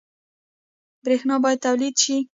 برښنا باید تولید شي